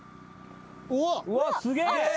うわっすげえ。